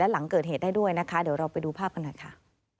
หลังเกิดเหตุได้ด้วยนะคะเดี๋ยวเราไปดูภาพกันหน่อยค่ะ